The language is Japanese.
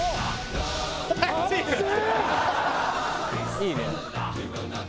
いいね。